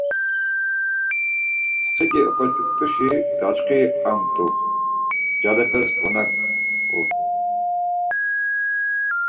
Tsxik̆i ok̆oç̆uptuşi daçxiri amt̆u , ncalepes konak̆nu.